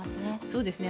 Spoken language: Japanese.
そうですね。